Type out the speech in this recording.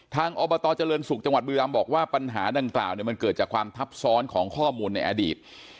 อบตเจริญศุกร์จังหวัดบุรีรำบอกว่าปัญหาดังกล่าวมันเกิดจากความทับซ้อนของข้อมูลในอดีต